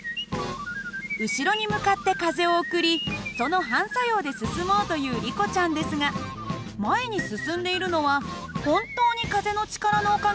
後ろに向かって風を送りその反作用で進もうというリコちゃんですが前に進んでいるのは本当に風の力のおかげなのかな？